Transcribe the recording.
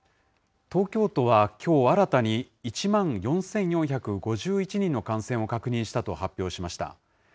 東京都はきょう新たに１万４４５１人の感染を確認したと発表しました。